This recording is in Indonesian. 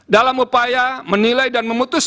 dalam upaya menilai dan memutus